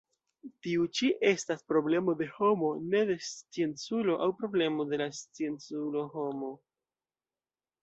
Tiu ĉi estas problemo de homo, ne de scienculo, aŭ problemo de la scienculo-homo.